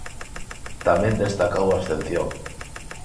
Tamén destacou a abstención.